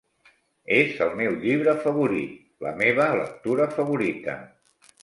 És el meu llibre favorit, la meva lectura favorita.